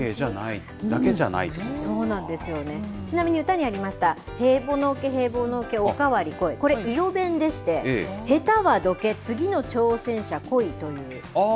ちなみに、歌にありました、へぼのけ、へぼのけ、おかわりこい、これ、伊予弁でして、下手はどけ、次の挑戦者来いという意味。